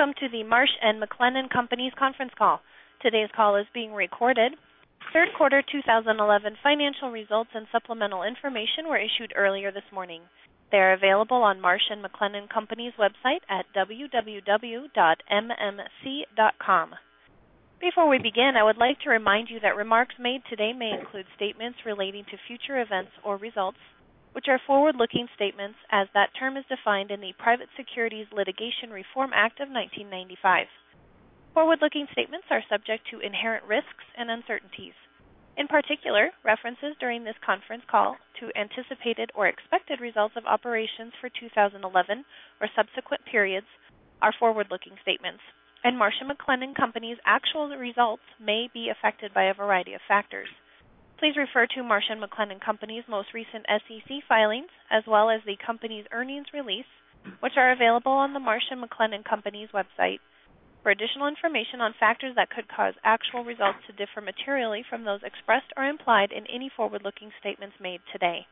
Welcome to the Marsh & McLennan Companies conference call. Today's call is being recorded. Third quarter 2011 financial results and supplemental information were issued earlier this morning. They're available on Marsh & McLennan Companies' website at www.mmc.com. Before we begin, I would like to remind you that remarks made today may include statements relating to future events or results, which are forward-looking statements as that term is defined in the Private Securities Litigation Reform Act of 1995. Forward-looking statements are subject to inherent risks and uncertainties. In particular, references during this conference call to anticipated or expected results of operations for 2011 or subsequent periods are forward-looking statements, and Marsh & McLennan Companies' actual results may be affected by a variety of factors. Please refer to Marsh & McLennan Companies' most recent SEC filings, as well as the company's earnings release, which are available on the Marsh & McLennan Companies' website for additional information on factors that could cause actual results to differ materially from those expressed or implied in any forward-looking statements made today.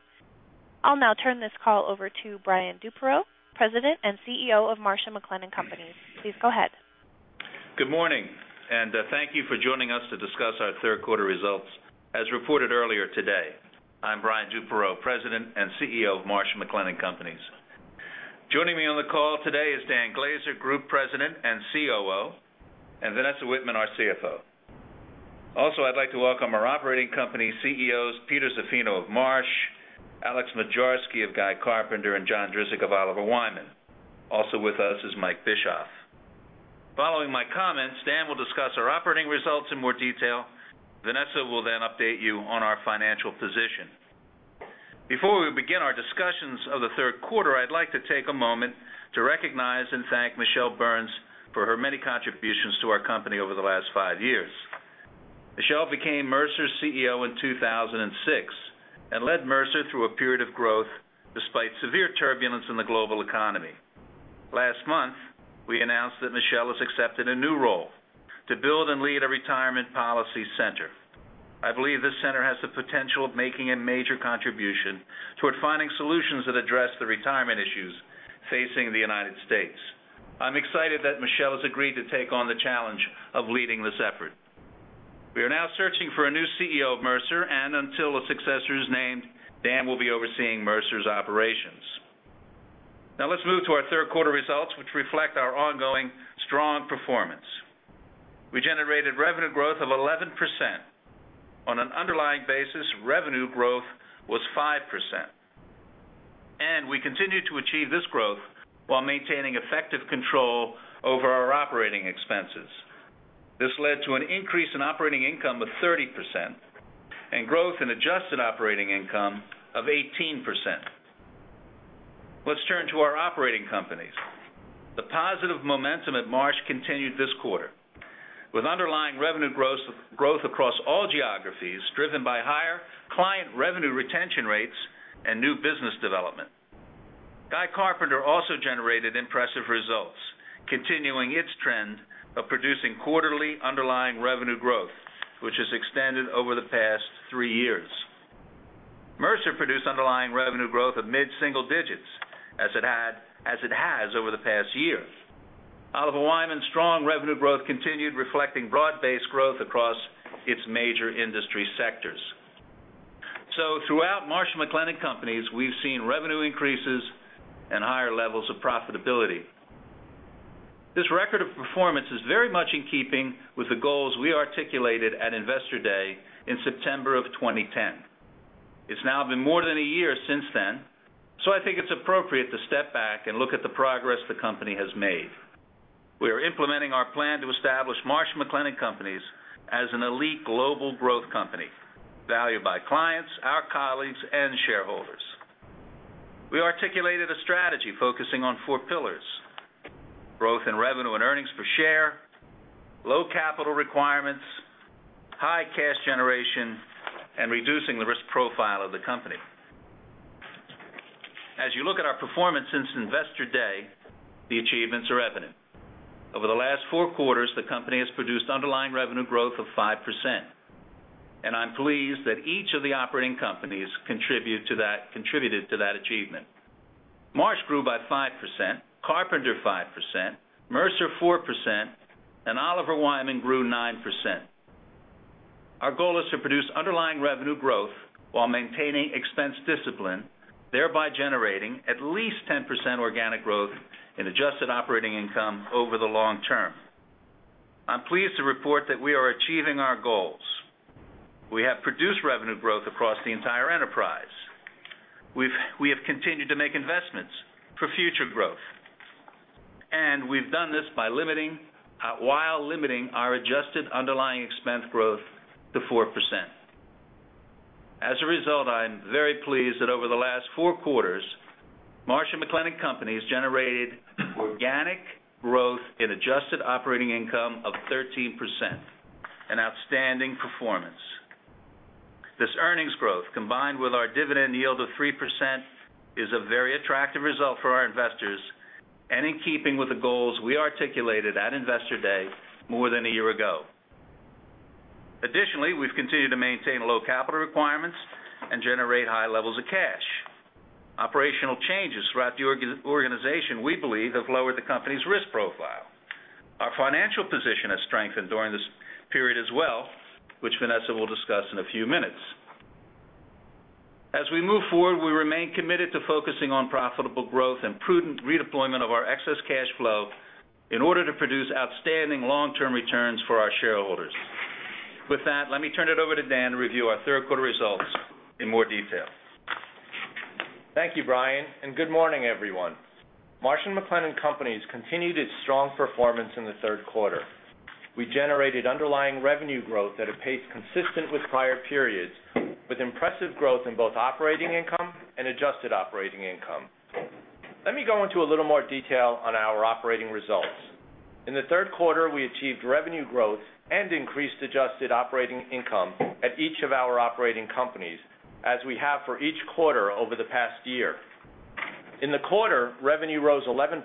I'll now turn this call over to Brian Duperreault, President and CEO of Marsh & McLennan Companies. Please go ahead. Good morning. Thank you for joining us to discuss our third quarter results, as reported earlier today. I'm Brian Duperreault, President and CEO of Marsh & McLennan Companies. Joining me on the call today is Dan Glaser, Group President and COO, and Vanessa Wittman, our CFO. I'd like to welcome our operating company CEOs, Peter Zaffino of Marsh, Alex Moczarski of Guy Carpenter, and John Drzik of Oliver Wyman. Also with us is Mike Bischoff. Following my comments, Dan will discuss our operating results in more detail. Vanessa will update you on our financial position. Before we begin our discussions of the third quarter, I'd like to take a moment to recognize and thank Michele Burns for her many contributions to our company over the last five years. Michele became Mercer's CEO in 2006 and led Mercer through a period of growth despite severe turbulence in the global economy. Last month, we announced that Michele has accepted a new role to build and lead a retirement policy center. I believe this center has the potential of making a major contribution toward finding solutions that address the retirement issues facing the U.S. I'm excited that Michele has agreed to take on the challenge of leading this effort. We are now searching for a new CEO of Mercer, and until a successor is named, Dan will be overseeing Mercer's operations. Let's move to our third quarter results, which reflect our ongoing strong performance. We generated revenue growth of 11%. On an underlying basis, revenue growth was 5%. We continued to achieve this growth while maintaining effective control over our operating expenses. This led to an increase in operating income of 30% and growth in adjusted operating income of 18%. Let's turn to our operating companies. The positive momentum at Marsh continued this quarter with underlying revenue growth across all geographies, driven by higher client revenue retention rates and new business development. Guy Carpenter also generated impressive results, continuing its trend of producing quarterly underlying revenue growth, which has extended over the past three years. Mercer produced underlying revenue growth of mid-single digits as it has over the past year. Oliver Wyman's strong revenue growth continued reflecting broad-based growth across its major industry sectors. Throughout Marsh & McLennan Companies, we've seen revenue increases and higher levels of profitability. This record of performance is very much in keeping with the goals we articulated at Investor Day in September of 2010. It's now been more than a year since then, I think it's appropriate to step back and look at the progress the company has made. We are implementing our plan to establish Marsh & McLennan Companies as an elite global growth company, valued by clients, our colleagues, and shareholders. We articulated a strategy focusing on four pillars, growth in revenue and earnings per share, low capital requirements, high cash generation, and reducing the risk profile of the company. As you look at our performance since Investor Day, the achievements are evident. Over the last four quarters, the company has produced underlying revenue growth of 5%, and I'm pleased that each of the operating companies contributed to that achievement. Marsh grew by 5%, Carpenter 5%, Mercer 4%, and Oliver Wyman grew 9%. Our goal is to produce underlying revenue growth while maintaining expense discipline, thereby generating at least 10% organic growth in adjusted operating income over the long term. I'm pleased to report that we are achieving our goals. We have produced revenue growth across the entire enterprise. We have continued to make investments for future growth, and we've done this while limiting our adjusted underlying expense growth to 4%. As a result, I am very pleased that over the last four quarters, Marsh & McLennan Companies generated organic growth in adjusted operating income of 13%, an outstanding performance. This earnings growth, combined with our dividend yield of 3%, is a very attractive result for our investors and in keeping with the goals we articulated at Investor Day more than a year ago. We've continued to maintain low capital requirements and generate high levels of cash. Operational changes throughout the organization, we believe, have lowered the company's risk profile. Our financial position has strengthened during this period as well, which Vanessa will discuss in a few minutes. We move forward, we remain committed to focusing on profitable growth and prudent redeployment of our excess cash flow in order to produce outstanding long-term returns for our shareholders. With that, let me turn it over to Dan to review our third quarter results in more detail. Thank you, Brian, and good morning, everyone. Marsh & McLennan Companies continued its strong performance in the third quarter. We generated underlying revenue growth at a pace consistent with prior periods, with impressive growth in both operating income and adjusted operating income. Let me go into a little more detail on our operating results. In the third quarter, we achieved revenue growth and increased adjusted operating income at each of our operating companies, as we have for each quarter over the past year. In the quarter, revenue rose 11%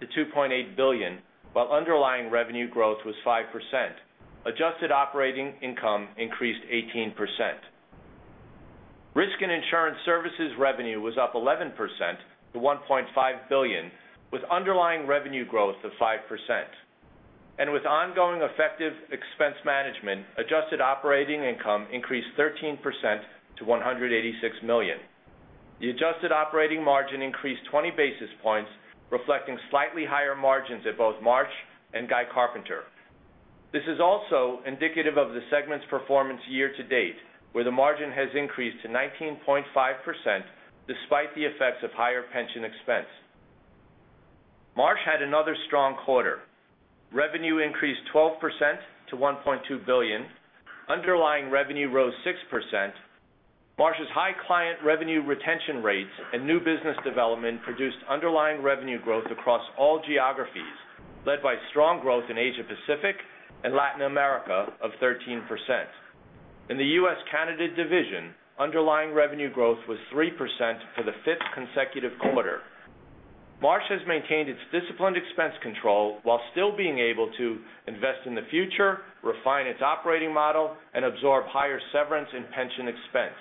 to $2.8 billion, while underlying revenue growth was 5%. Adjusted operating income increased 18%. Risk and insurance services revenue was up 11% to $1.5 billion, with underlying revenue growth of 5%. With ongoing effective expense management, adjusted operating income increased 13% to $186 million. The adjusted operating margin increased 20 basis points, reflecting slightly higher margins at both Marsh and Guy Carpenter. This is also indicative of the segment's performance year-to-date, where the margin has increased to 19.5% despite the effects of higher pension expense. Marsh had another strong quarter. Revenue increased 12% to $1.2 billion. Underlying revenue rose 6%. Marsh's high client revenue retention rates and new business development produced underlying revenue growth across all geographies, led by strong growth in Asia-Pacific and Latin America of 13%. In the U.S.-Canada division, underlying revenue growth was 3% for the fifth consecutive quarter. Marsh has maintained its disciplined expense control while still being able to invest in the future, refine its operating model, and absorb higher severance and pension expense.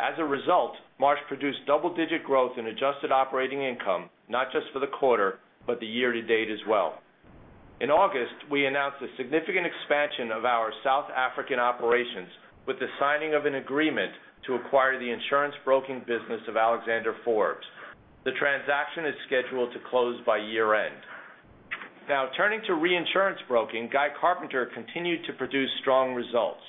As a result, Marsh produced double-digit growth in adjusted operating income, not just for the quarter, but the year-to-date as well. In August, we announced a significant expansion of our South African operations with the signing of an agreement to acquire the insurance broking business of Alexander Forbes. The transaction is scheduled to close by year-end. Turning to reinsurance broking, Guy Carpenter continued to produce strong results.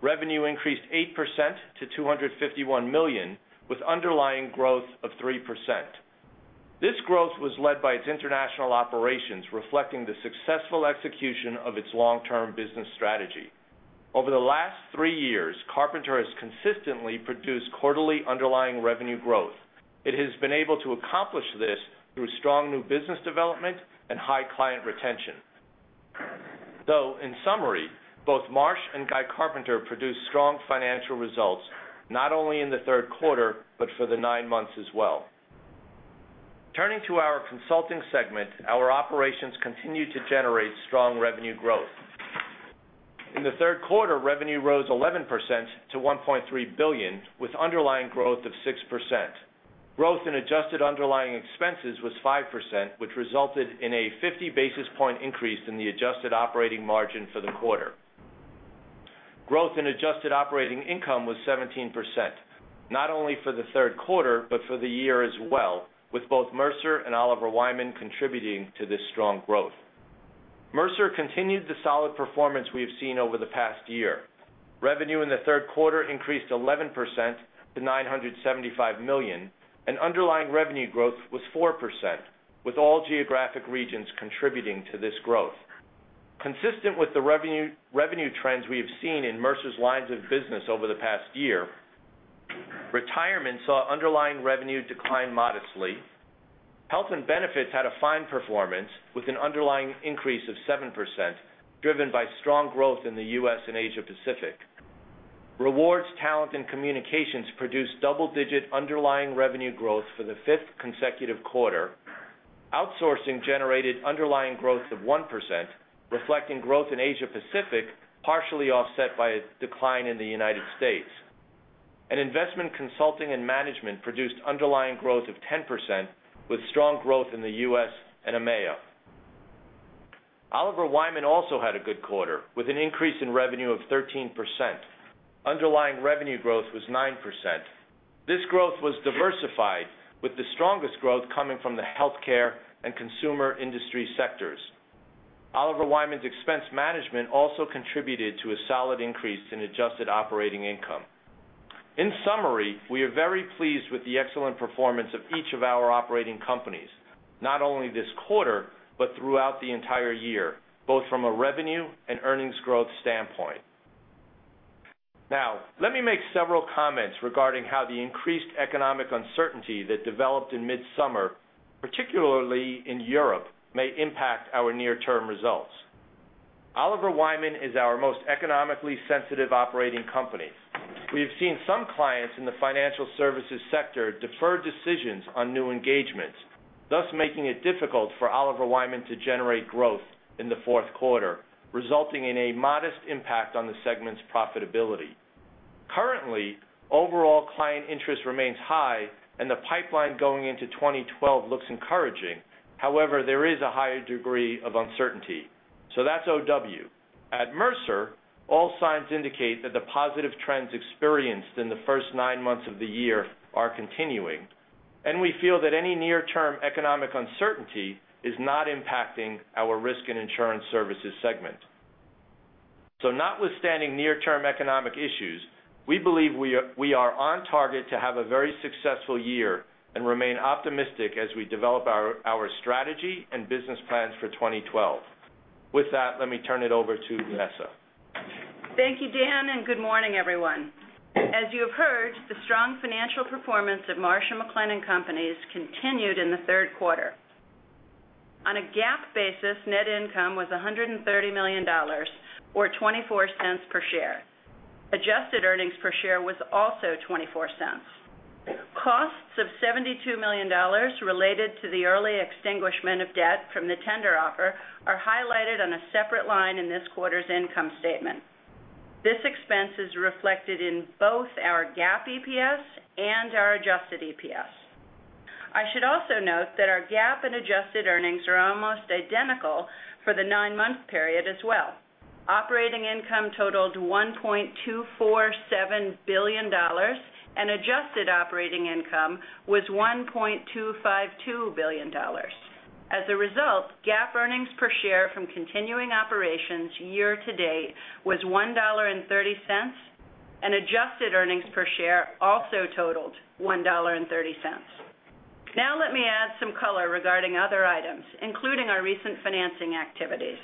Revenue increased 8% to $251 million with underlying growth of 3%. This growth was led by its international operations, reflecting the successful execution of its long-term business strategy. Over the last three years, Carpenter has consistently produced quarterly underlying revenue growth. It has been able to accomplish this through strong new business development and high client retention. In summary, both Marsh & Guy Carpenter produced strong financial results, not only in the third quarter, but for the nine months as well. Turning to our consulting segment, our operations continued to generate strong revenue growth. In the third quarter, revenue rose 11% to $1.3 billion, with underlying growth of 6%. Growth in adjusted underlying expenses was 5%, which resulted in a 50-basis-point increase in the adjusted operating margin for the quarter. Growth in adjusted operating income was 17%, not only for the third quarter, but for the year as well, with both Mercer and Oliver Wyman contributing to this strong growth. Mercer continued the solid performance we have seen over the past year. Revenue in the third quarter increased 11% to $975 million, and underlying revenue growth was 4%, with all geographic regions contributing to this growth. Consistent with the revenue trends we have seen in Mercer's lines of business over the past year, retirement saw underlying revenue decline modestly. Health and benefits had a fine performance with an underlying increase of 7%, driven by strong growth in the U.S. and Asia-Pacific. Rewards, talent, and communications produced double-digit underlying revenue growth for the fifth consecutive quarter. Outsourcing generated underlying growth of 1%, reflecting growth in Asia-Pacific, partially offset by a decline in the United States. Investment consulting and management produced underlying growth of 10%, with strong growth in the U.S. and EMEA. Oliver Wyman also had a good quarter, with an increase in revenue of 13%. Underlying revenue growth was 9%. This growth was diversified, with the strongest growth coming from the healthcare and consumer industry sectors. Oliver Wyman's expense management also contributed to a solid increase in adjusted operating income. In summary, we are very pleased with the excellent performance of each of our operating companies, not only this quarter, but throughout the entire year, both from a revenue and earnings growth standpoint. Now, let me make several comments regarding how the increased economic uncertainty that developed in mid-summer, particularly in Europe, may impact our near-term results. Oliver Wyman is our most economically sensitive operating company. We have seen some clients in the financial services sector defer decisions on new engagements, thus making it difficult for Oliver Wyman to generate growth in the fourth quarter, resulting in a modest impact on the segment's profitability. Currently, overall client interest remains high and the pipeline going into 2012 looks encouraging. However, there is a higher degree of uncertainty. That's OW. At Mercer, all signs indicate that the positive trends experienced in the first nine months of the year are continuing, and we feel that any near-term economic uncertainty is not impacting our risk and insurance services segment. Notwithstanding near-term economic issues, we believe we are on target to have a very successful year and remain optimistic as we develop our strategy and business plans for 2012. With that, let me turn it over to Vanessa. Thank you, Dan, good morning, everyone. As you have heard, the strong financial performance of Marsh & McLennan Companies continued in the third quarter. On a GAAP basis, net income was $130 million, or $0.24 per share. Adjusted earnings per share was also $0.24. Costs of $72 million related to the early extinguishment of debt from the tender offer are highlighted on a separate line in this quarter's income statement. This expense is reflected in both our GAAP EPS and our adjusted EPS. I should also note that our GAAP and adjusted earnings are almost identical for the nine-month period as well. Operating income totaled $1.247 billion, and adjusted operating income was $1.252 billion. As a result, GAAP earnings per share from continuing operations year to date was $1.30, and adjusted earnings per share also totaled $1.30. Let me add some color regarding other items, including our recent financing activities.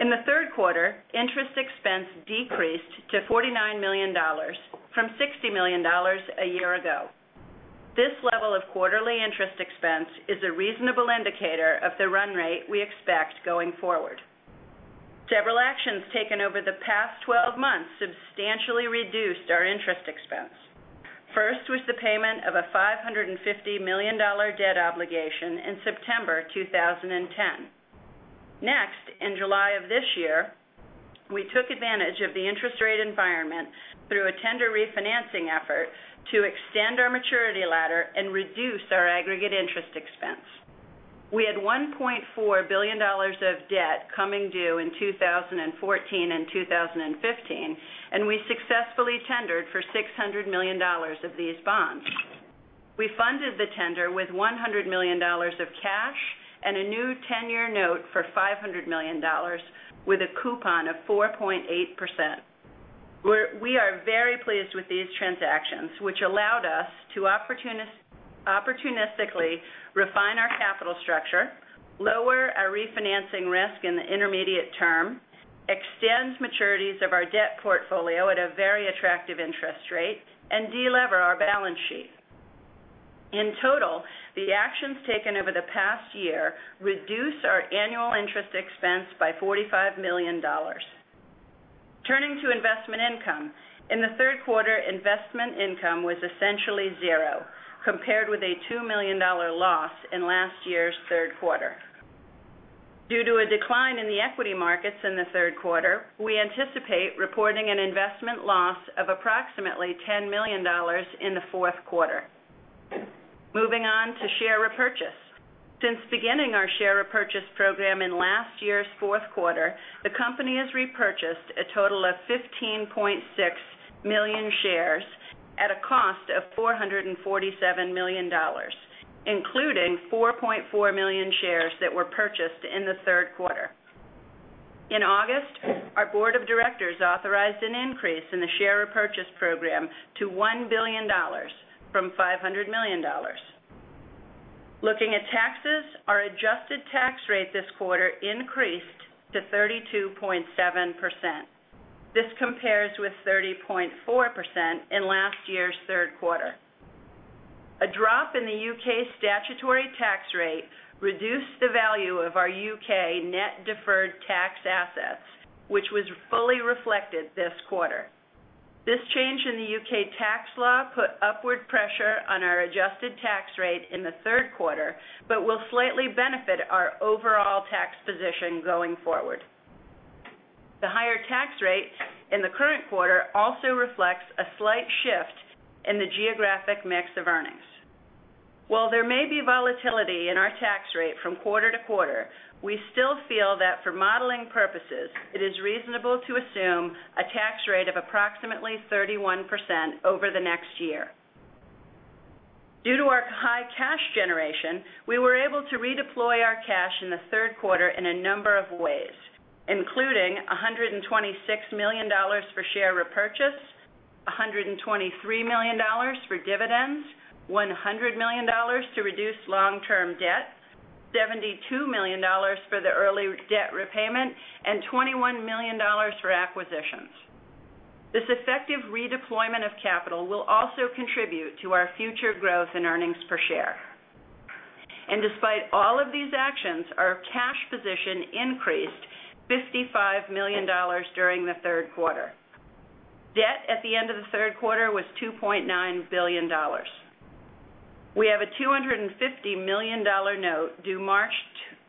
In the third quarter, interest expense decreased to $49 million from $60 million a year ago. This level of quarterly interest expense is a reasonable indicator of the run rate we expect going forward. Several actions taken over the past 12 months substantially reduced our interest expense. First was the payment of a $550 million debt obligation in September 2010. In July of this year, we took advantage of the interest rate environment through a tender refinancing effort to extend our maturity ladder and reduce our aggregate interest expense. We had $1.4 billion of debt coming due in 2014 and 2015, and we successfully tendered for $600 million of these bonds. We funded the tender with $100 million of cash and a new 10-year note for $500 million with a coupon of 4.8%. We are very pleased with these transactions, which allowed us to opportunistically refine our capital structure, lower our refinancing risk in the intermediate term, extend maturities of our debt portfolio at a very attractive interest rate, and de-lever our balance sheet. In total, the actions taken over the past year reduce our annual interest expense by $45 million. Turning to investment income. In the third quarter, investment income was essentially zero, compared with a $2 million loss in last year's third quarter. Due to a decline in the equity markets in the third quarter, we anticipate reporting an investment loss of approximately $10 million in the fourth quarter. Moving on to share repurchase. Since beginning our share repurchase program in last year's fourth quarter, the company has repurchased a total of 15.6 million shares at a cost of $447 million, including 4.4 million shares that were purchased in the third quarter. In August, our board of directors authorized an increase in the share repurchase program to $1 billion from $500 million. Looking at taxes, our adjusted tax rate this quarter increased to 32.7%. This compares with 30.4% in last year's third quarter. A drop in the U.K. statutory tax rate reduced the value of our U.K. net deferred tax assets, which was fully reflected this quarter. This change in the U.K. tax law put upward pressure on our adjusted tax rate in the third quarter, but will slightly benefit our overall tax position going forward. The higher tax rate in the current quarter also reflects a slight shift in the geographic mix of earnings. While there may be volatility in our tax rate from quarter to quarter, we still feel that for modeling purposes, it is reasonable to assume a tax rate of approximately 31% over the next year. Due to our high cash generation, we were able to redeploy our cash in the third quarter in a number of ways, including $126 million for share repurchase, $123 million for dividends, $100 million to reduce long-term debt, $72 million for the early debt repayment, and $21 million for acquisitions. This effective redeployment of capital will also contribute to our future growth in earnings per share. Despite all of these actions, our cash position increased $55 million during the third quarter. Debt at the end of the third quarter was $2.9 billion. We have a $250 million note due March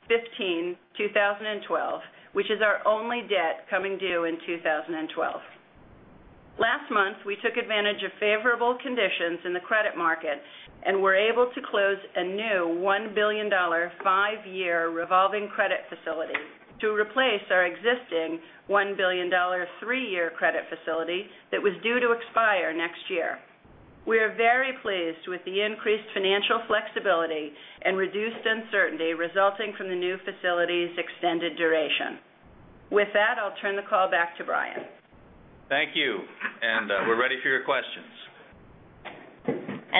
15, 2012, which is our only debt coming due in 2012. Last month, we took advantage of favorable conditions in the credit market and were able to close a new $1 billion, five-year revolving credit facility to replace our existing $1 billion, three-year credit facility that was due to expire next year. We are very pleased with the increased financial flexibility and reduced uncertainty resulting from the new facility's extended duration. With that, I'll turn the call back to Brian. Thank you. We're ready for your questions.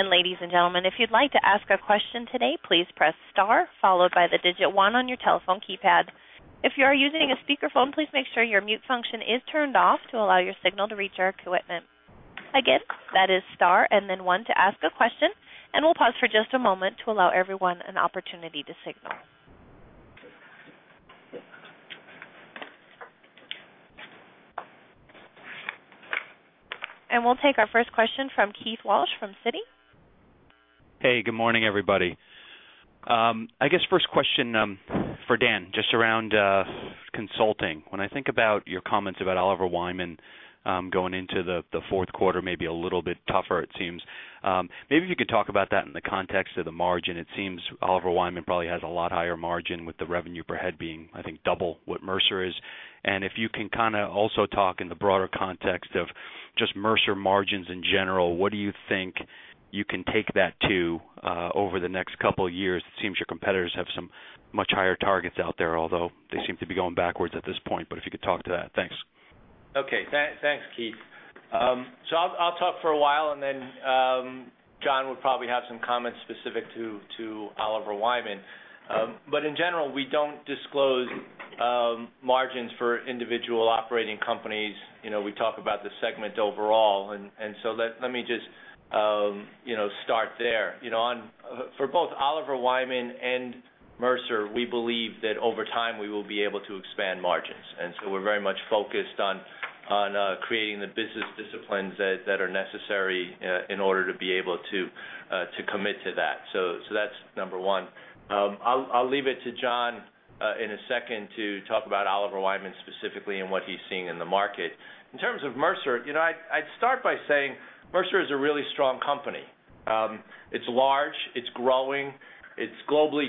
Ladies and gentlemen, if you'd like to ask a question today, please press star followed by the digit one on your telephone keypad. If you are using a speakerphone, please make sure your mute function is turned off to allow your signal to reach our equipment. Again, that is star and then one to ask a question, we'll pause for just a moment to allow everyone an opportunity to signal. We'll take our first question from Keith Walsh from Citi. Hey, good morning, everybody. I guess first question for Dan, just around consulting. When I think about your comments about Oliver Wyman, going into the fourth quarter may be a little bit tougher it seems. Maybe if you could talk about that in the context of the margin, it seems Oliver Wyman probably has a lot higher margin with the revenue per head being, I think, double what Mercer is. If you can also talk in the broader context of just Mercer margins in general, what do you think you can take that to, over the next couple of years? It seems your competitors have some much higher targets out there, although they seem to be going backwards at this point. If you could talk to that. Thanks. Thanks, Keith. I'll talk for a while, and then John will probably have some comments specific to Oliver Wyman. In general, we don't disclose margins for individual operating companies. We talk about the segment overall, and let me just start there. For both Oliver Wyman and Mercer, we believe that over time, we will be able to expand margins. We're very much focused on creating the business disciplines that are necessary in order to be able to commit to that. That's number one. I'll leave it to John, in a second to talk about Oliver Wyman specifically and what he's seeing in the market. In terms of Mercer, I'd start by saying Mercer is a really strong company. It's large, it's growing, it's globally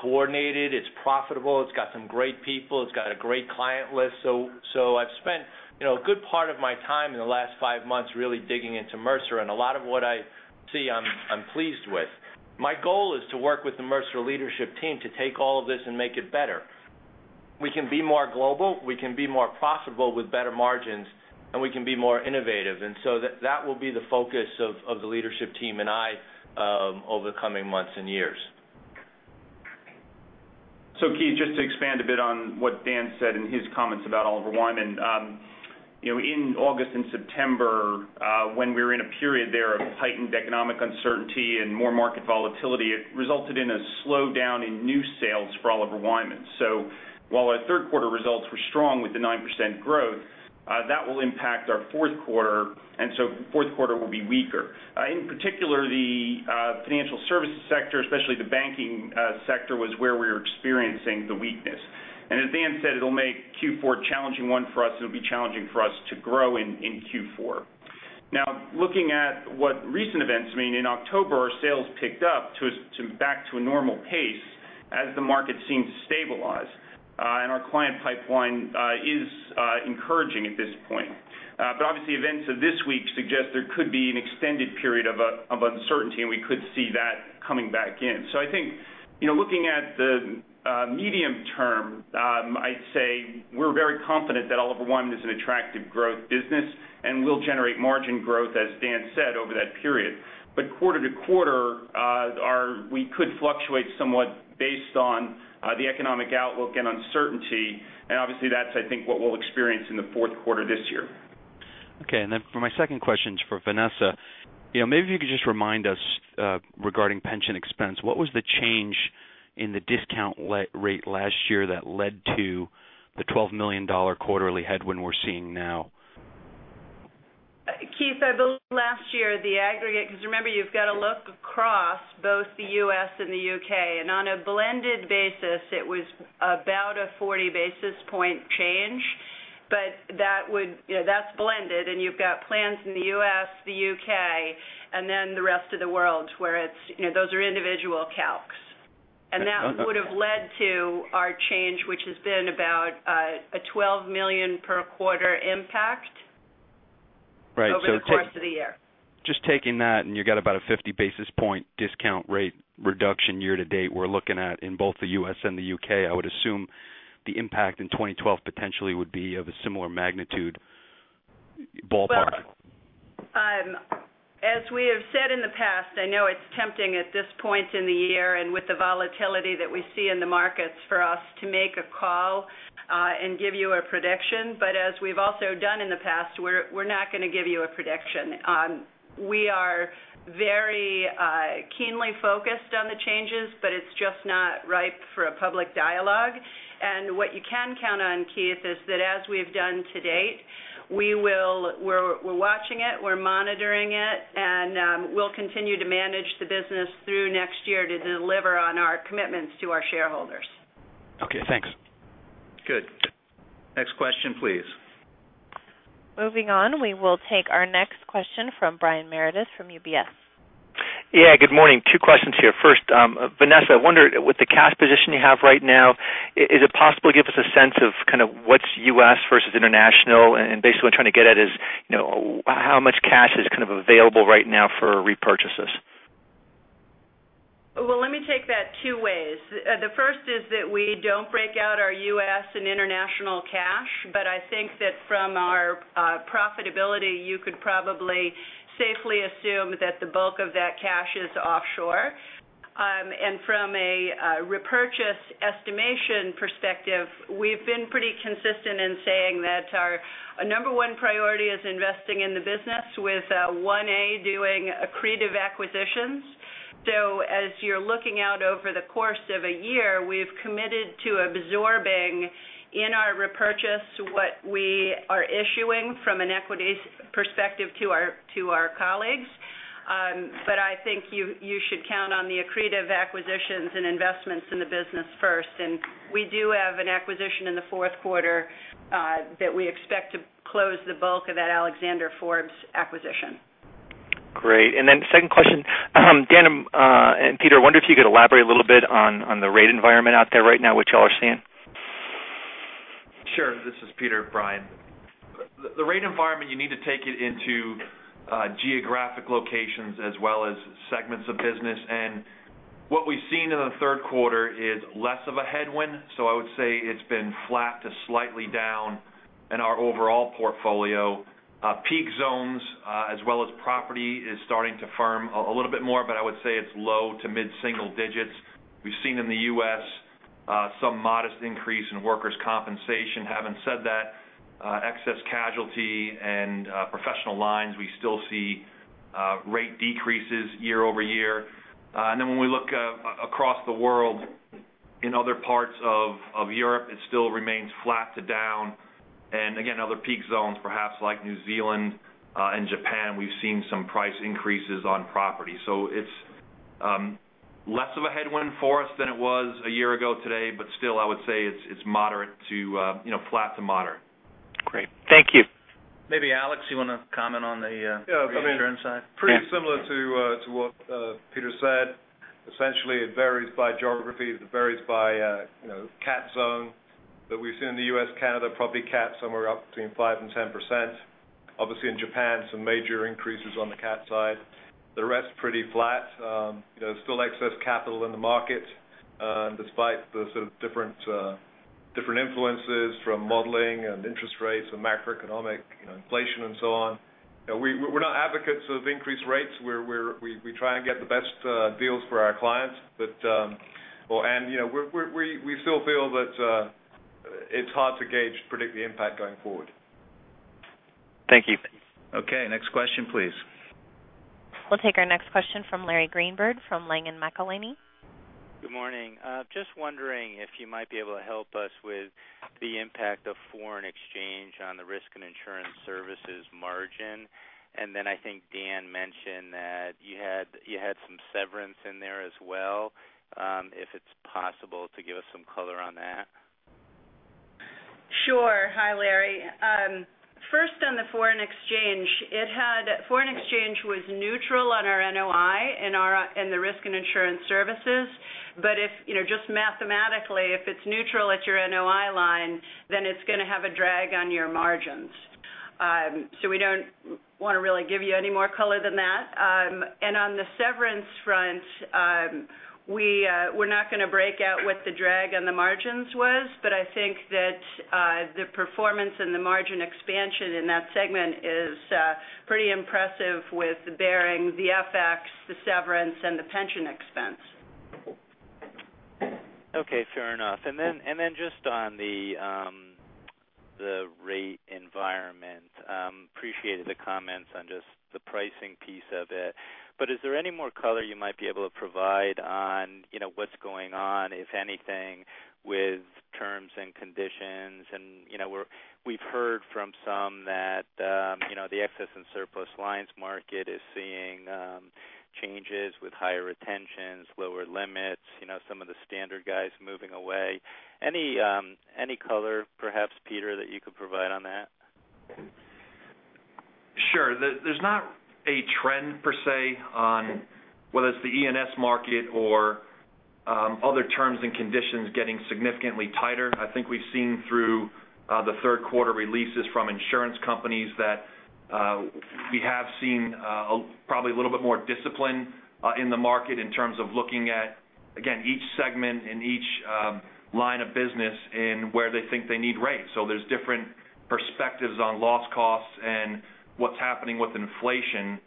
coordinated, it's profitable, it's got some great people, it's got a great client list. I've spent a good part of my time in the last five months really digging into Mercer, and a lot of what I see I'm pleased with. My goal is to work with the Mercer leadership team to take all of this and make it better. We can be more global, we can be more profitable with better margins, and we can be more innovative. That will be the focus of the leadership team and I over the coming months and years. Keith, just to expand a bit on what Dan said in his comments about Oliver Wyman. In August and September, when we were in a period there of heightened economic uncertainty and more market volatility, it resulted in a slowdown in new sales for Oliver Wyman. While our third quarter results were strong with 9% growth, that will impact our fourth quarter, and fourth quarter will be weaker. In particular, the financial services sector, especially the banking sector, was where we were experiencing the weakness. As Dan said, it'll make Q4 a challenging one for us. It'll be challenging for us to grow in Q4. Looking at what recent events mean, in October, our sales picked up back to a normal pace as the market seemed to stabilize. Our client pipeline is encouraging at this point. Obviously, events of this week suggest there could be an extended period of uncertainty, and we could see that coming back in. I think, looking at the medium term, I'd say we're very confident that Oliver Wyman is an attractive growth business and will generate margin growth, as Dan said, over that period. But quarter to quarter, we could fluctuate somewhat based on the economic outlook and uncertainty, and obviously, that's, I think, what we'll experience in the fourth quarter this year. Okay. For my second question for Vanessa. Maybe if you could just remind us, regarding pension expense, what was the change in the discount rate last year that led to the $12 million quarterly headwind we're seeing now? Keith, I believe last year the aggregate because remember, you've got to look across both the U.S. and the U.K., and on a blended basis, it was about a 40 basis point change, but that's blended and you've got plans in the U.S., the U.K., and the rest of the world, where those are individual calcs. That would have led to our change, which has been about a $12 million per quarter impact over the course of the year. Just taking that, you've got about a 50 basis point discount rate reduction year to date we're looking at in both the U.S. and the U.K., I would assume the impact in 2012 potentially would be of a similar magnitude ballpark. As we have said in the past, I know it's tempting at this point in the year and with the volatility that we see in the markets for us to make a call and give you a prediction, as we've also done in the past, we're not going to give you a prediction. We are very keenly focused on the changes, but it's just not ripe for a public dialogue. What you can count on, Keith, is that as we've done to date, we're watching it, we're monitoring it, and we'll continue to manage the business through next year to deliver on our commitments to our shareholders. Okay, thanks. Good. Next question, please. Moving on, we will take our next question from Brian Meredith from UBS. Yeah, good morning. Two questions here. First, Vanessa, I wonder, with the cash position you have right now, is it possible to give us a sense of what's U.S. versus international? Basically what I'm trying to get at is, how much cash is available right now for repurchases? Let me take that two ways. The first is that we don't break out our U.S. and international cash, but I think that from our profitability, you could probably safely assume that the bulk of that cash is offshore. From a repurchase estimation perspective, we've been pretty consistent in saying that our number one priority is investing in the business with, one, A, doing accretive acquisitions. As you're looking out over the course of a year, we've committed to absorbing in our repurchase what we are issuing from an equities perspective to our colleagues. I think you should count on the accretive acquisitions and investments in the business first. We do have an acquisition in the fourth quarter that we expect to close the bulk of that Alexander Forbes acquisition. Great. Second question. Dan and Peter, I wonder if you could elaborate a little bit on the rate environment out there right now, what y'all are seeing. Sure. This is Peter, Brian. The rate environment, you need to take it into geographic locations as well as segments of business. What we've seen in the third quarter is less of a headwind. I would say it's been flat to slightly down in our overall portfolio. Peak zones, as well as property, is starting to firm a little bit more, but I would say it's low to mid-single digits. We've seen in the U.S. some modest increase in workers' compensation. Having said that, excess casualty and professional lines, we still see rate decreases year-over-year. When we look across the world in other parts of Europe, it still remains flat to down. Again, other peak zones, perhaps like New Zealand and Japan, we've seen some price increases on property. It's less of a headwind for us than it was a year ago today. Still, I would say it's flat to moderate. Great. Thank you. Maybe Alex, you want to comment on the reinsurance side? Pretty similar to what Peter said. Essentially, it varies by geography. It varies by cat zone. We've seen the U.S., Canada, probably cat somewhere up between 5% and 10%. Obviously, in Japan, some major increases on the cat side. The rest pretty flat. Still excess capital in the market, despite the sort of different influences from modeling and interest rates and macroeconomic inflation and so on. We're not advocates of increased rates. We try and get the best deals for our clients. We still feel that it's hard to gauge, predict the impact going forward. Thank you. Okay. Next question, please. We'll take our next question from Larry Greenberg from Langen McAlenney. Good morning. Just wondering if you might be able to help us with the impact of foreign exchange on the risk and insurance services margin. I think Dan mentioned that you had some severance in there as well, if it's possible to give us some color on that. Sure. Hi, Larry. First on the foreign exchange. Foreign exchange was neutral on our NOI in the risk and insurance services. Just mathematically, if it's neutral at your NOI line, it's going to have a drag on your margins. We don't want to really give you any more color than that. On the severance front, we're not going to break out what the drag on the margins was, but I think that the performance and the margin expansion in that segment is pretty impressive with bearing the FX, the severance, and the pension expense. Okay, fair enough. Just on the rate environment. Appreciated the comments on just the pricing piece of it. Is there any more color you might be able to provide on what's going on, if anything, with terms and conditions? We've heard from some that the excess and surplus lines market is seeing changes with higher retentions, lower limits, some of the standard guys moving away. Any color perhaps, Peter, that you could provide on that? Sure. There's not a trend, per se, on whether it's the E&S market or other terms and conditions getting significantly tighter. I think we've seen through the third quarter releases from insurance companies that we have seen probably a little bit more discipline in the market in terms of looking at, again, each segment and each line of business and where they think they need rates. There's different perspectives on loss costs and what's happening with inflation,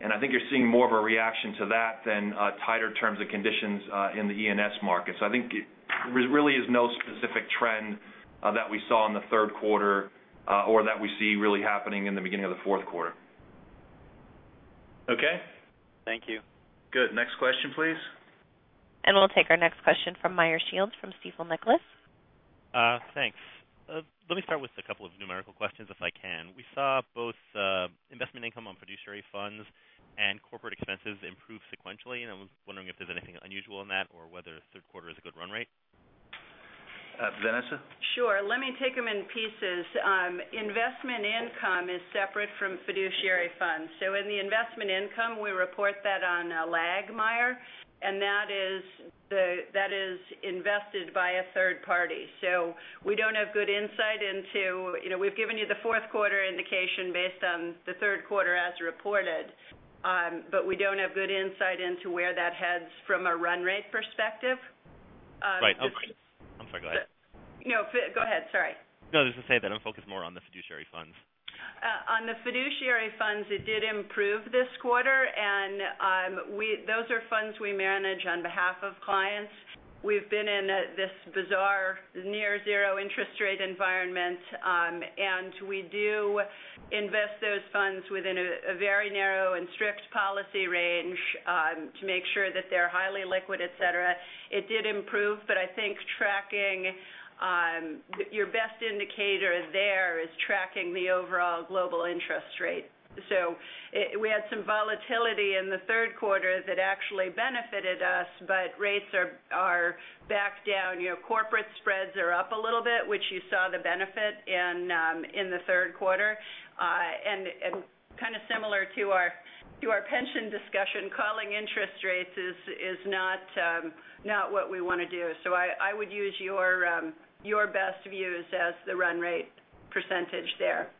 and I think you're seeing more of a reaction to that than tighter terms and conditions in the E&S markets. I think there really is no specific trend that we saw in the third quarter or that we see really happening in the beginning of the fourth quarter. Okay. Thank you. Good. Next question, please. We'll take our next question from Meyer Shields from Stifel Nicolaus. Thanks. Let me start with a couple of numerical questions, if I can. We saw both investment income on fiduciary funds and corporate expenses improve sequentially, and I was wondering if there's anything unusual in that or whether third quarter is a good run rate. Vanessa? Sure. Let me take them in pieces. Investment income is separate from fiduciary funds. In the investment income, we report that on a lag, Meyer, and that is invested by a third party. We don't have good insight into We've given you the fourth quarter indication based on the third quarter as reported, but we don't have good insight into where that heads from a run rate perspective. Right. I'm sorry, go ahead. No, go ahead. Sorry. No, just to say that I'm focused more on the fiduciary funds. On the fiduciary funds, it did improve this quarter, and those are funds we manage on behalf of clients. We've been in this bizarre near zero interest rate environment, and we do invest those funds within a very narrow and strict policy range to make sure that they're highly liquid, et cetera. It did improve, but I think your best indicator there is tracking the overall global interest rate. We had some volatility in the Third Quarter that actually benefited us, but rates are back down. Corporate spreads are up a little bit, which you saw the benefit in the Third Quarter. Kind of similar to our pension discussion, calling interest rates is not what we want to do. I would use your best views as the run rate percentage there.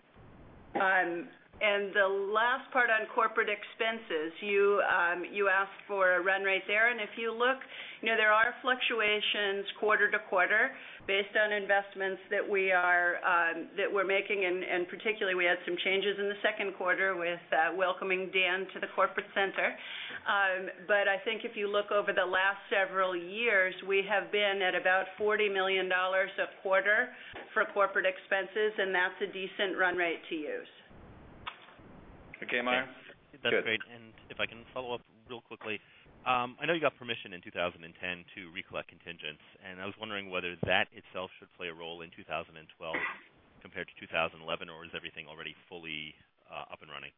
The last part on corporate expenses, you asked for a run rate there, and if you look, there are fluctuations quarter to quarter based on investments that we're making, and particularly, we had some changes in the second quarter with welcoming Dan to the corporate center. I think if you look over the last several years, we have been at about $40 million a quarter for corporate expenses, and that's a decent run rate to use. Okay, Meyer. Good. If I can follow up real quickly. I know you got permission in 2010 to recollect contingents, and I was wondering whether that itself should play a role in 2012 compared to 2011, or is everything already fully up and running?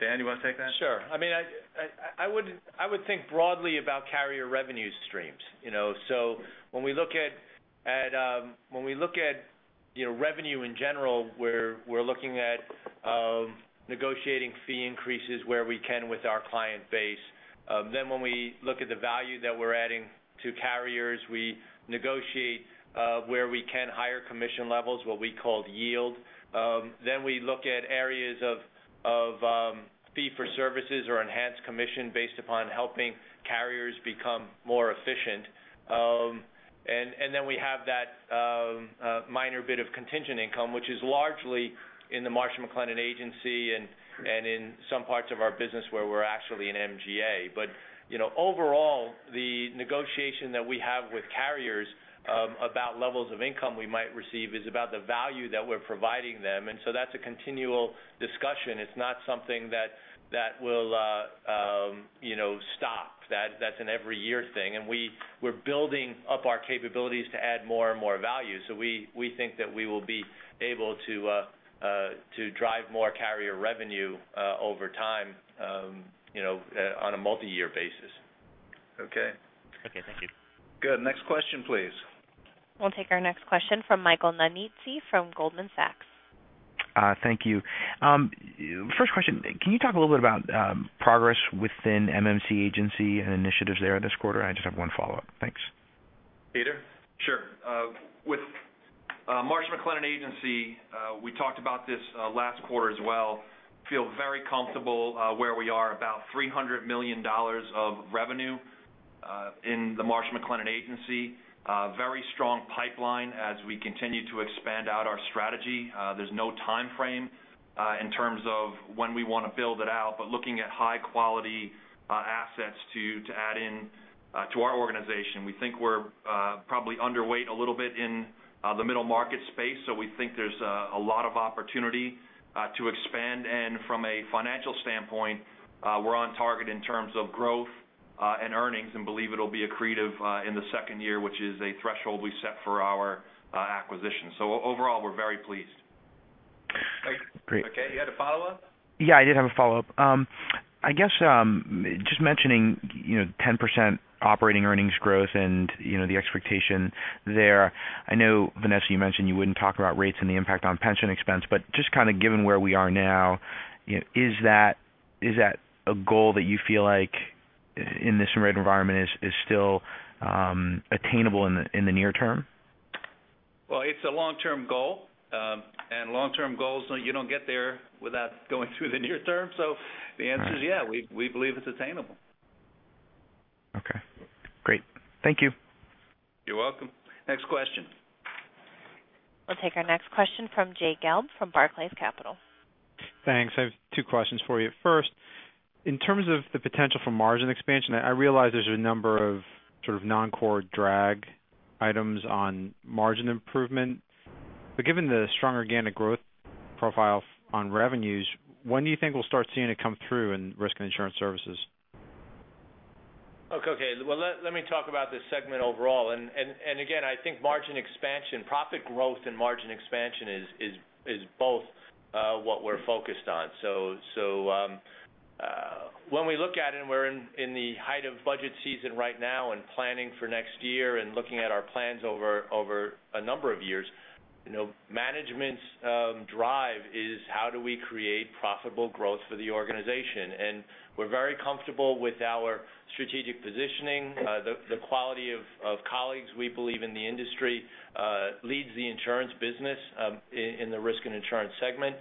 Dan, you want to take that? Sure. I would think broadly about carrier revenue streams. When we look at revenue in general, we're looking at negotiating fee increases where we can with our client base. When we look at the value that we're adding to carriers, we negotiate where we can higher commission levels, what we call yield. We look at areas of fee for services or enhanced commission based upon helping carriers become more efficient. We have that minor bit of contingent income, which is largely in the Marsh & McLennan Agency and in some parts of our business where we're actually an MGA. Overall, the negotiation that we have with carriers about levels of income we might receive is about the value that we're providing them, and so that's a continual discussion. It's not something that will stop. That's an every year thing. We're building up our capabilities to add more and more value. We think that we will be able to drive more carrier revenue over time on a multi-year basis. Okay. Okay, thank you. Good. Next question, please. We'll take our next question from Michael Nannizzi from Goldman Sachs. Thank you. First question, can you talk a little bit about progress within MMC Agency and initiatives there this quarter? I just have one follow-up. Thanks. Peter? Sure. With Marsh & McLennan Agency, we talked about this last quarter as well. Feel very comfortable where we are, about $300 million of revenue in the Marsh & McLennan Agency. Very strong pipeline as we continue to expand out our strategy. There's no timeframe in terms of when we want to build it out, but looking at high-quality assets to add in to our organization. We think we're probably underweight a little bit in the middle market space, so we think there's a lot of opportunity to expand. From a financial standpoint, we're on target in terms of growth and earnings and believe it'll be accretive in the second year, which is a threshold we set for our acquisition. Overall, we're very pleased. Great. Okay. You had a follow-up? Yeah, I did have a follow-up. I guess, just mentioning 10% operating earnings growth and the expectation there, I know, Vanessa, you mentioned you wouldn't talk about rates and the impact on pension expense, just kind of given where we are now, is that a goal that you feel like in this rate environment is still attainable in the near term? Well, it's a long-term goal. Long-term goals, you don't get there without going through the near term. The answer is yeah, we believe it's attainable. Okay, great. Thank you. You're welcome. Next question. We'll take our next question from Jay Gelb from Barclays Capital. Thanks. I have two questions for you. First, in terms of the potential for margin expansion, I realize there's a number of sort of non-core drag items on margin improvement. Given the strong organic growth profile on revenues, when do you think we'll start seeing it come through in risk and insurance services? Okay. Well, let me talk about this segment overall. Again, I think margin expansion, profit growth, and margin expansion is both what we're focused on. When we look at it, and we're in the height of budget season right now and planning for next year and looking at our plans over a number of years, management's drive is how do we create profitable growth for the organization? We're very comfortable with our strategic positioning. The quality of colleagues, we believe in the industry leads the insurance business in the risk and insurance segment.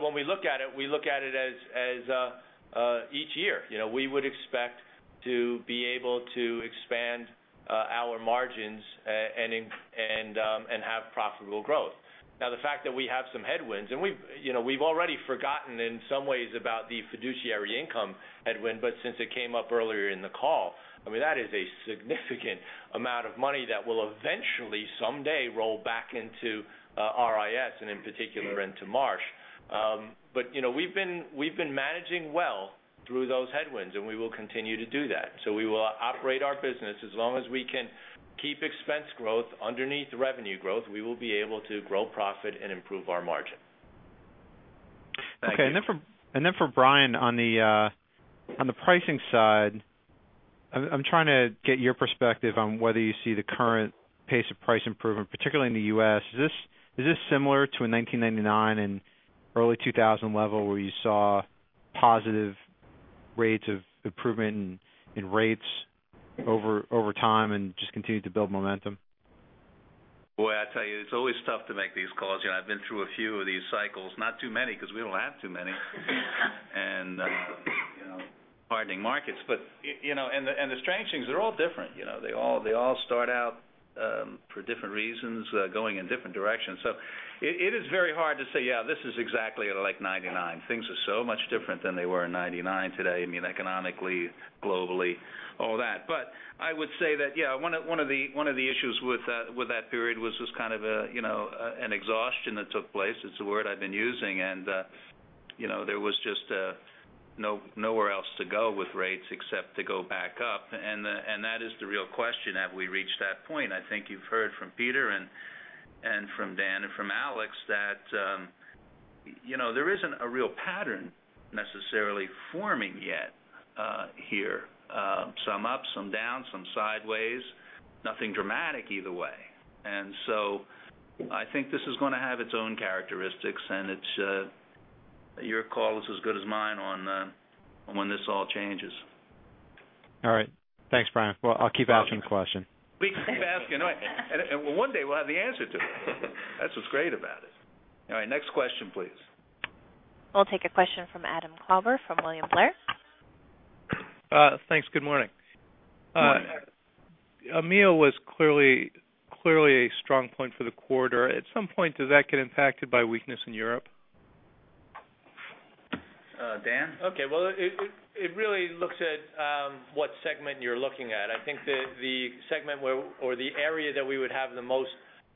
When we look at it, we look at it as each year, we would expect to be able to expand our margins and have profitable growth. Now, the fact that we have some headwinds, we've already forgotten in some ways about the fiduciary income headwind, since it came up earlier in the call, I mean, that is a significant amount of money that will eventually someday roll back into RIS and in particular into Marsh. We've been managing well through those headwinds, and we will continue to do that. We will operate our business. As long as we can keep expense growth underneath the revenue growth, we will be able to grow profit and improve our margins. Okay. For Brian, on the pricing side, I'm trying to get your perspective on whether you see the current pace of price improvement, particularly in the U.S. Is this similar to a 1999 and early 2000 level where you saw positive rates of improvement in rates over time and just continued to build momentum? Boy, I tell you, it's always tough to make these calls. I've been through a few of these cycles, not too many, because we don't have too many. Hardening markets, the strange things, they're all different. They all start out for different reasons, going in different directions. It is very hard to say, "Yeah, this is exactly like '99." Things are so much different than they were in '99 today, I mean, economically, globally, all that. I would say that, yeah, one of the issues with that period was just kind of an exhaustion that took place. It's the word I've been using, there was just nowhere else to go with rates except to go back up. That is the real question, have we reached that point? I think you've heard from Peter and from Dan and from Alex that there isn't a real pattern necessarily forming yet here. Some up, some down, some sideways, nothing dramatic either way. I think this is going to have its own characteristics, and your call is as good as mine on when this all changes. All right. Thanks, Brian. Well, I'll keep asking the question. Please keep asking. Anyway, one day we'll have the answer to it. That's what's great about it. All right, next question, please. We'll take a question from Adam Klauber, from William Blair. Thanks. Good morning. Morning. EMEA was clearly a strong point for the quarter. At some point, does that get impacted by weakness in Europe? Dan? Okay. Well, it really looks at what segment you're looking at. I think that the segment or the area that we would have the most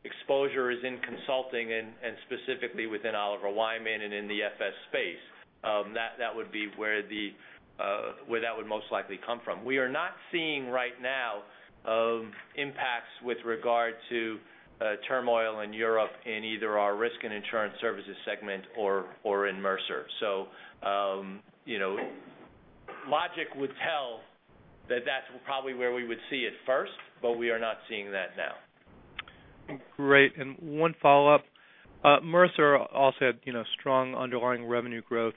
exposure is in consulting and specifically within Oliver Wyman and in the FS space. That would be where that would most likely come from. We are not seeing right now impacts with regard to turmoil in Europe in either our risk and insurance services segment or in Mercer. Logic would tell that that's probably where we would see it first, but we are not seeing that now. Great. One follow-up. Mercer also had strong underlying revenue growth.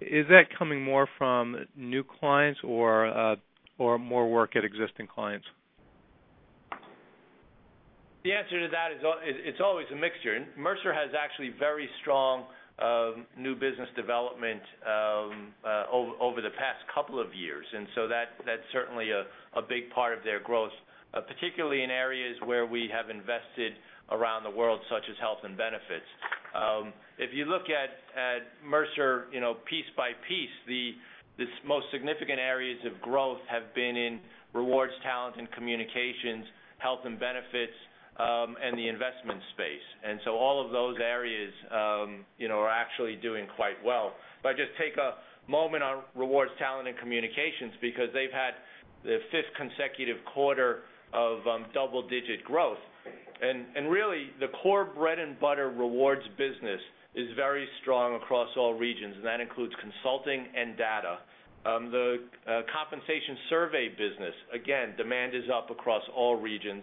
Is that coming more from new clients or more work at existing clients? The answer to that is it's always a mixture. Mercer has actually very strong new business development over the past couple of years, that's certainly a big part of their growth, particularly in areas where we have invested around the world, such as health and benefits. If you look at Mercer piece by piece, the most significant areas of growth have been in rewards, talent, and communications, health and benefits, and the investment space. All of those areas are actually doing quite well. If I just take a moment on rewards, talent, and communications, because they've had the fifth consecutive quarter of double-digit growth. Really, the core bread-and-butter rewards business is very strong across all regions, and that includes consulting and data. The compensation survey business, again, demand is up across all regions,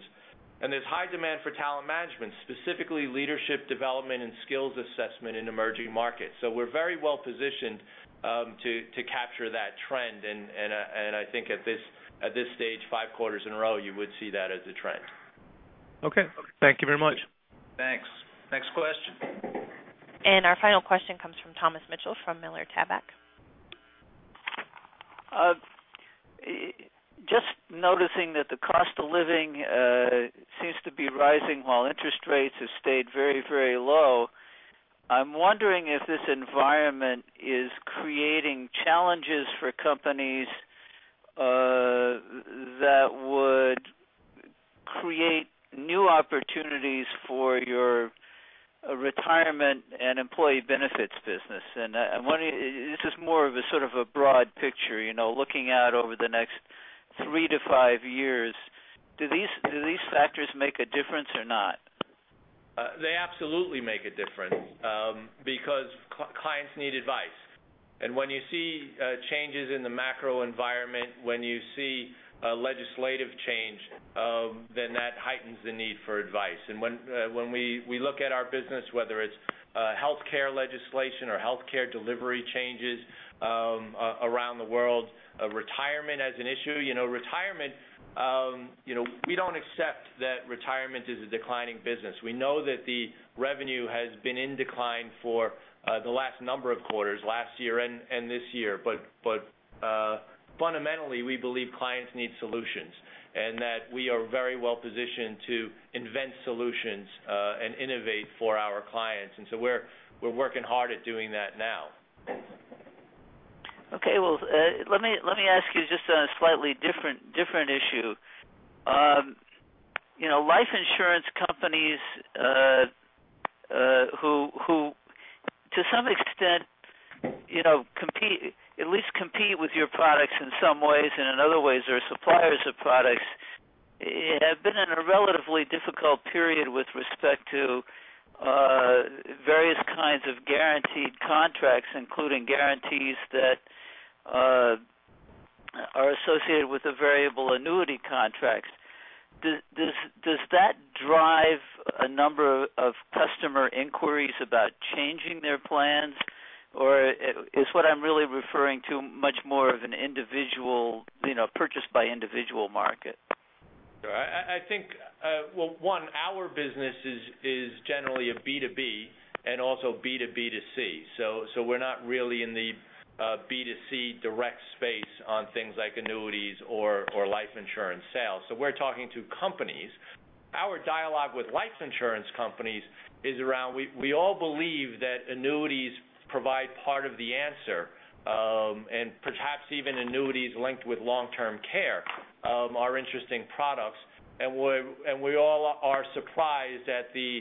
and there's high demand for talent management, specifically leadership development and skills assessment in emerging markets. We're very well-positioned to capture that trend. I think at this stage, five quarters in a row, you would see that as a trend. Thank you very much. Thanks. Next question. Our final question comes from Thomas Mitchell from Miller Tabak. Noticing that the cost of living seems to be rising while interest rates have stayed very low. I'm wondering if this environment is creating challenges for companies that would create new opportunities for your retirement and employee benefits business. This is more of a broad picture, looking out over the next 3-5 years. Do these factors make a difference or not? They absolutely make a difference because clients need advice. When you see changes in the macro environment, when you see a legislative change, that heightens the need for advice. When we look at our business, whether it's healthcare legislation or healthcare delivery changes around the world, retirement as an issue. We don't accept that retirement is a declining business. We know that the revenue has been in decline for the last number of quarters last year and this year. Fundamentally, we believe clients need solutions and that we are very well-positioned to invent solutions and innovate for our clients. We're working hard at doing that now. Okay, well, let me ask you just on a slightly different issue. Life insurance companies who, to some extent, at least compete with your products in some ways, and in other ways are suppliers of products, have been in a relatively difficult period with respect to various kinds of guaranteed contracts, including guarantees that are associated with the variable annuity contracts. Does that drive a number of customer inquiries about changing their plans, or is what I'm really referring to much more of a purchased by individual market? I think, one, our business is generally a B2B and also B2B2C. We're not really in the B2C direct space on things like annuities or life insurance sales. We're talking to companies. Our dialogue with life insurance companies is around, we all believe that annuities provide part of the answer, and perhaps even annuities linked with long-term care are interesting products. We all are surprised at the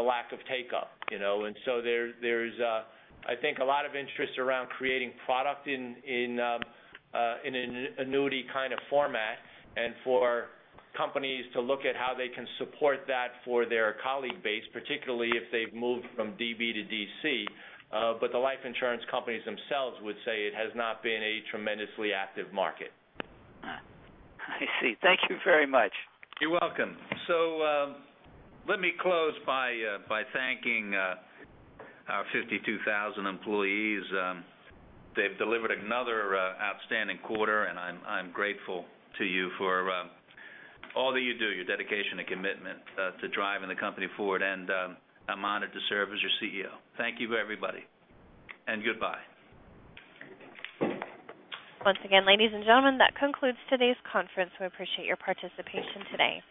lack of take-up. There's a lot of interest around creating product in an annuity kind of format and for companies to look at how they can support that for their colleague base, particularly if they've moved from DB to DC. The life insurance companies themselves would say it has not been a tremendously active market. I see. Thank you very much. You're welcome. Let me close by thanking our 52,000 employees. They've delivered another outstanding quarter, and I'm grateful to you for all that you do, your dedication and commitment to driving the company forward, and I'm honored to serve as your CEO. Thank you, everybody, and goodbye. Once again, ladies and gentlemen, that concludes today's conference. We appreciate your participation today.